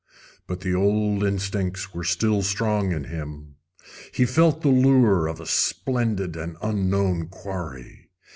But the old instincts were still strong in him. He felt the lure of a splendid and unknown quarry.